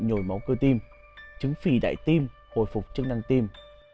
bệnh nhồi máu cơ tim trứng phì đại tim hồi phục chức năng tim